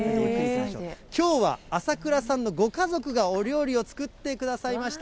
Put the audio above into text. きょうは朝倉さんのご家族がお料理を作ってくださいました。